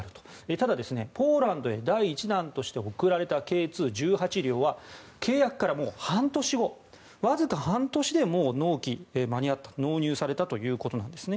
ただ、ポーランドへ第１弾として送られたＫ２１８両は契約から、もう半年後わずか半年で、納期間に合った納入されたということなんですね。